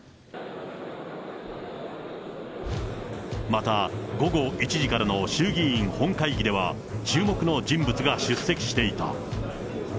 また、午後１時からの衆議院本会議では、注目の人物が出席していた。